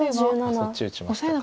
そっち打ちましたか。